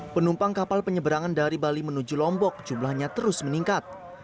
penumpang kapal penyeberangan dari bali menuju lombok jumlahnya terus meningkat